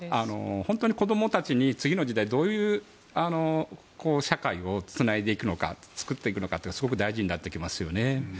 本当に子どもたちに次の時代、どういう社会をつないでいくのか作っていくのかというのがすごく大事になってきますよね。